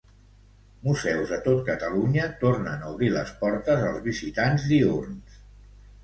Museus de tot Catalunya tornen a obrir les portes als visitants diürns.